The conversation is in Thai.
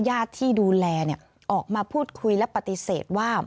ญาติที่ดูแลออกมาพูดคุยและปฏิเสธว่า